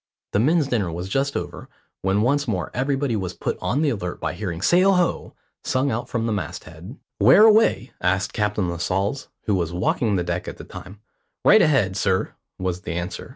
The men's dinner was just over, when once more everybody was put on the alert by hearing "Sail ho!" sung out from the mast head. "Where away?" asked Captain Lascelles, who was walking the deck at the time. "Right ahead, sir," was the answer.